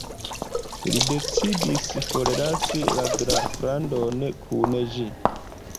Li decidis forlasi la Graflandon kun ĝi.